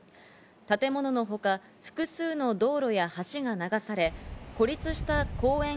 建物のほか複数の道路や橋が流され、孤立した公園